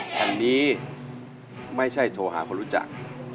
คันนี้ไม่ใช่โทรหาคนรู้จัก